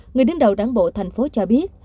người đứng đầu đáng bộ thành phố cho biết